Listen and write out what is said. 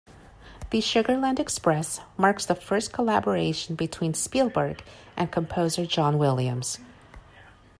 "The Sugarland Express" marks the first collaboration between Spielberg and composer John Williams.